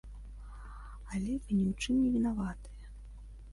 Але вы ні ў чым не вінаватыя.